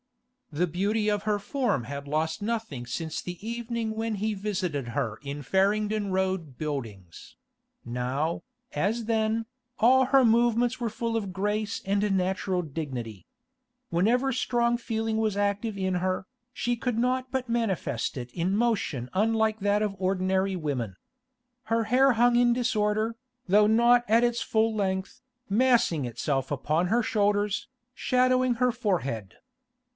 The beauty of her form had lost nothing since the evening when he visited her in Farringdon Road Buildings; now, as then, all her movements were full of grace and natural dignity. Whenever strong feeling was active in her, she could not but manifest it in motion unlike that of ordinary women. Her hair hung in disorder, though not at its full length, massing itself upon her shoulders, shadowing her forehead.